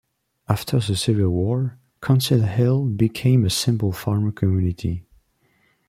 After the Civil War, Council Hill became a simple farm community.